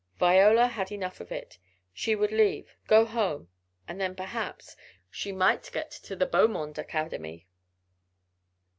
Viola had enough of it. She would leave go home. And then perhaps she might get to the Beaumonde Academy.